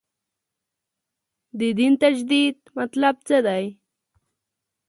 د دین تجدید مطلب څه دی.